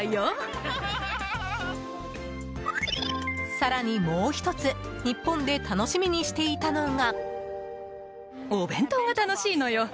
更に、もう１つ日本で楽しみにしていたのが。